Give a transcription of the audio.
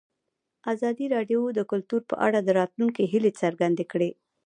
ازادي راډیو د کلتور په اړه د راتلونکي هیلې څرګندې کړې.